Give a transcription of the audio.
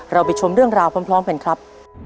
ไปชมเรื่องราวพร้อมกันครับ